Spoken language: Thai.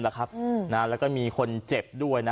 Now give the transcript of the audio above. แล้วก็มีคนเจ็บด้วยนะ